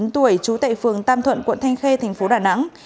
bốn mươi chín tuổi chú tệ phường tam thuận quận thanh khê tp đà nẵng